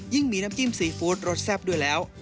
มีน้ำจิ้มซีฟู้ดรสแซ่บด้วยแล้ว